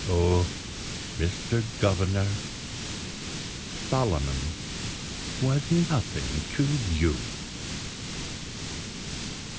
Oh, Mr. Governor, Solomon was nothing to You!"